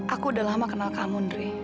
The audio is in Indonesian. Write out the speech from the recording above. aku udah lama kenal kamu dri